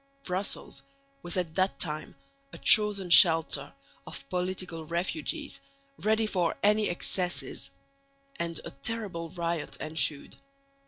Brussels was at that time a chosen shelter of political refugees, ready for any excesses; and a terrible riot ensued.